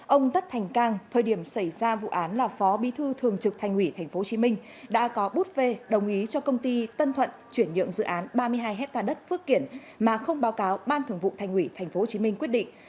ông tất thành cang thời điểm xảy ra vụ án là phó bí thư thường trực thành ủy tp hcm đã có bút phê đồng ý cho công ty tân thuận chuyển nhượng dự án ba mươi hai hectare đất phước kiển mà không báo cáo ban thường vụ thành ủy tp hcm quyết định